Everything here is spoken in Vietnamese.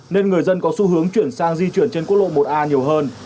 nên người dân có xu hướng chuyển sang di chuyển trên quốc lộ một a nhiều hơn